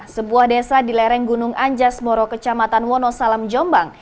sebuah desa di lereng gunung anjas moro kecamatan wonosalam jombang